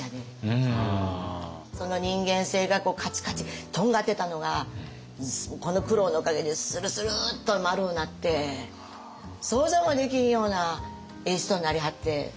その人間性がカチカチとんがってたのがこの苦労のおかげでスルスルーッと丸うなって想像もできひんようなええ人になりはって。